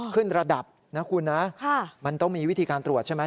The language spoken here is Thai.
ขึ้นระดับนะคุณนะมันต้องมีวิธีการตรวจใช่ไหม